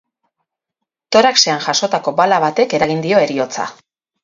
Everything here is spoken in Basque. Toraxean jasotako bala batek eragin dio heriotza.